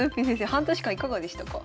半年間いかがでしたか？